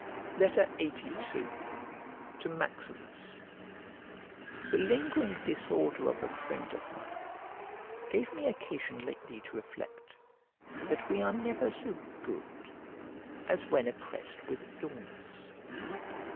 LXXXII To MAXIMUS THE lingering disorder of a friend of mine gave me occasion lately to reflect that we are never so good as when oppressed with illness.